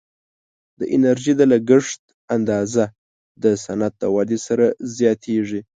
د انرژي د لګښت اندازه د صنعت د ودې سره زیاتیږي.